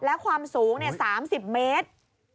และความสูง๓๐เมตร